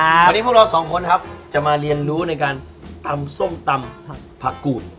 วันนี้พวกเราสองคนครับจะมาเรียนรู้ในการตำส้มตำผักกูล